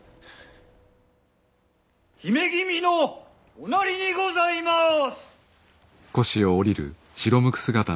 姫君のおなりにございます！